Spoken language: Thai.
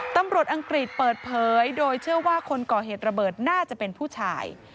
อังกฤษเปิดเผยโดยเชื่อว่าคนก่อเหตุระเบิดน่าจะเป็นผู้ชาย